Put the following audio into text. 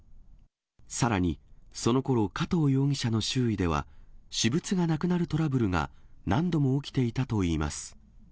さらに、そのころ、加藤容疑者の周囲では、私物がなくなるトラブルが何度も起きていたといいます。